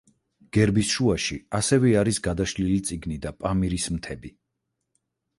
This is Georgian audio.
გერბის შუაში ასევე არის გადაშლილი წიგნი და პამირის მთები.